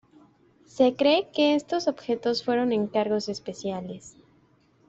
Se cree que estos objetos fueron encargos especiales.